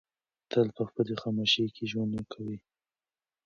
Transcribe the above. هغه تل په خپلې خاموشۍ کې ژوند کوي.